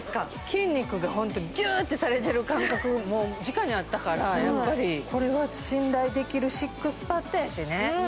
筋肉がホントギューッとされてる感覚もうじかにあったからやっぱりこれは信頼できるＳＩＸＰＡＤやしね